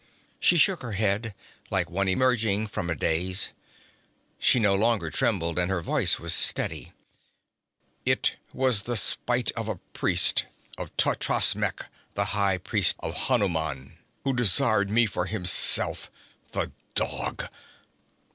She shook her head, like one emerging from a daze. She no longer trembled, and her voice was steady. 'It was the spite of a priest of Totrasmek, the high priest of Hanuman, who desires me for himself the dog!'